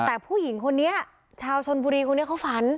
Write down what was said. แต่ผู้หญิงคนนี้ชาวชนบุรีคนนี้เขาฝัน